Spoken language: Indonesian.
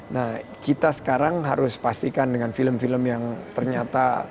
nah kita sekarang harus pastikan dengan film film yang ternyata